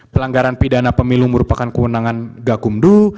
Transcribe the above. pelanggaran pidana pemilu merupakan kewenangan gakumdu